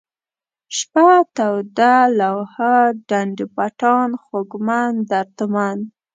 شپه ، توده ، لوحه ، ډنډ پټان ، خوږمن ، دردمن